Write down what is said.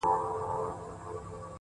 يو نه دی چي و تاته په سرو سترگو ژاړي”